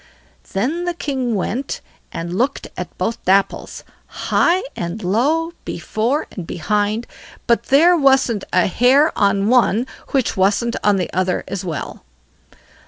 Then the king went and looked at both Dapples, high and low, before and behind, but there wasn't a hair on one which wasn't on the other as well.